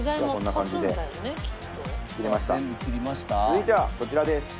続いてはこちらです。